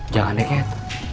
jangan deh cat